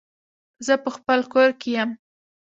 زه په خپل کور کې يم